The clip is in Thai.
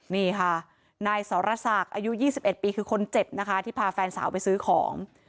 นี่ค่ะนายสรศักดิ์อายุ๒๑ปีคือคนเจ็บนะคะที่พาแฟนสาวไปซื้อของ